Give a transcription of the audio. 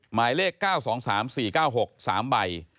หมายเลข๙๒๓๔๙๖๓ใบ